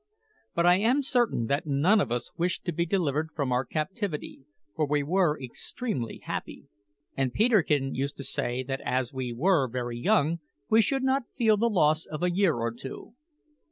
But I am certain that none of us wished to be delivered from our captivity, for we were extremely happy; and Peterkin used to say that as we were very young, we should not feel the loss of a year or two.